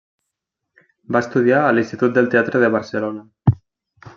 Va estudiar a l'Institut del Teatre de Barcelona.